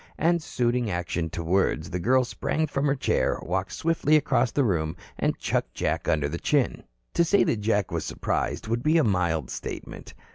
And suiting action to words, the girl sprang from her chair, walked swiftly across the room and chucked Jack under the chin. To say that Jack was surprised would be a mild statement.